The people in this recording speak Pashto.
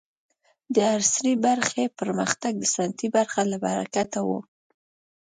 د عصري برخې پرمختګ د سنتي برخې له برکته و.